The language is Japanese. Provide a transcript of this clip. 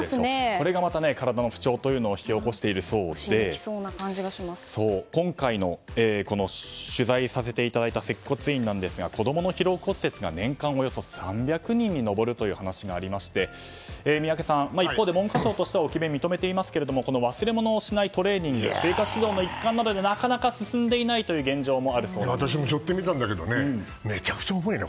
これで体の不調を引き起こしているそうで今回の、取材させていただいた接骨院ですが子供の疲労骨折が年間およそ３００人に上るという話がありまして宮家さん、一方で文科省としては置き勉を認めていますが忘れ物をしないトレーニングは生活指導の一環などでなかなか進んでいない私も背負ってみたんだけどめちゃくちゃ重いな。